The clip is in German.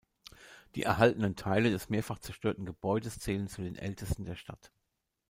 Die erhaltenen Teile des mehrfach zerstörten Gebäudes zählen zu den ältesten der Stadt.